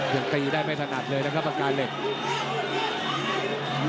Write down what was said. ความใหญ่เป็นอุปสรรคหรือเปล่าในวันนี้